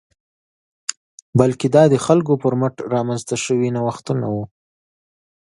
بلکې دا د خلکو پر مټ رامنځته شوي نوښتونه وو